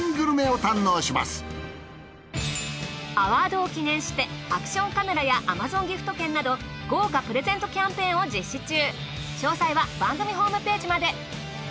アワードを記念してアクションカメラやＡｍａｚｏｎギフト券など豪華プレゼントキャンペーンを実施中。